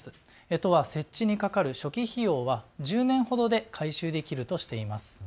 都は設置にかかる初期費用は１０年ほどで回収できるとしています。